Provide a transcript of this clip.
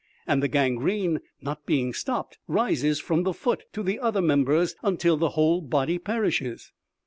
And the gangrene, not being stopped, rises from the foot to the other members, until the whole body perishes."